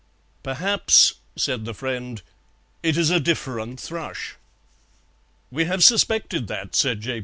"Perhaps," said the friend, "it is a different thrush." "We have suspected that," said J.